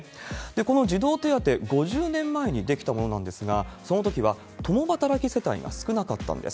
この児童手当、５０年前に出来たものなんですが、そのときは、共働き世帯が少なかったんです。